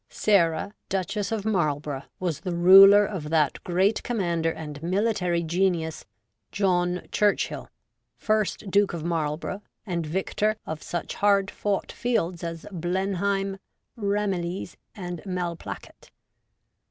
Sarah, Duchess of Marlborough, was the ruler of that great commander and military genius, John Churchill, first Duke of Marlborough, and victor of such hard fought fields as Blenheim, Ramillies, and Malplaquet.